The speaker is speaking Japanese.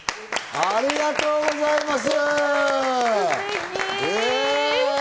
ありがとうございます。